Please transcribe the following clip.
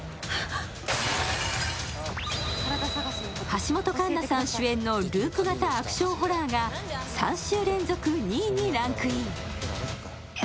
橋本環奈さん主演のループ型アクションホラーが３週連続２位にランクイン。